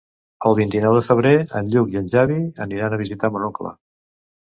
El vint-i-nou de febrer en Lluc i en Xavi aniran a visitar mon oncle.